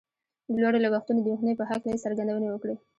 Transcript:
د لوړو لګښتونو د مخنيوي په هکله يې څرګندونې وکړې.